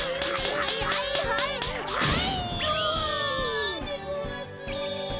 はいはいはいはい。